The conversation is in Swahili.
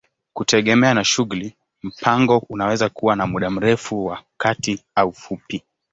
Kutegemea na shughuli, mpango unaweza kuwa wa muda mrefu, wa kati au mfupi.